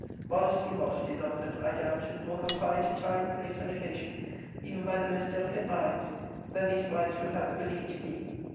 [Modesty, modesty, Belford, I doubt, is more confined to time, place, and occasion, even by the most delicate minds, than these minds would have it believed to be.